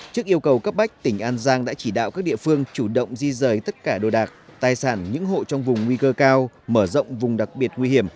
trước yêu cầu cấp bách tỉnh an giang đã chỉ đạo các địa phương chủ động di rời tất cả đồ đạc tài sản những hộ trong vùng nguy cơ cao mở rộng vùng đặc biệt nguy hiểm